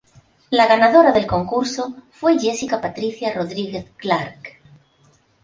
La ganadora del concurso fue Jessica Patricia Rodríguez Clark.